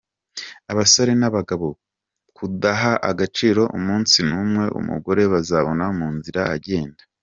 abasore nabagabo kudaha agaciro umunsi numwe umugore bazabona mu nzira agenda.